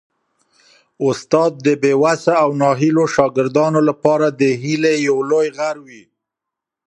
استاد د بې وسه او ناهیلو شاګردانو لپاره د هیلې یو لوی غر وي.